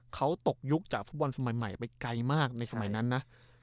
เขาตกยุคจากฟุตบอลสมัยใหม่ไปไกลมากในสมัยนั้นนะ